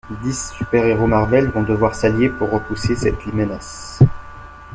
Dix super-héros Marvel vont devoir s'allier pour repousser cette menace.